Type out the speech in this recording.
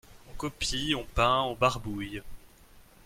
On copie, on peint, on barbouille.